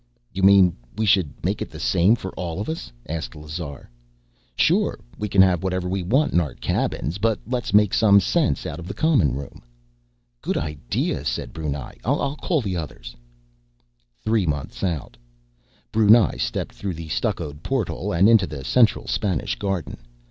"You mean we should make it the same for all of us?" asked Lazar. "Sure. We can have whatever we want in our cabins, but let's make some sense out of the common room." "Good idea," said Brunei. "I'll call the others." Three months out: Brunei stepped through the stuccoed portal, and into the central Spanish garden.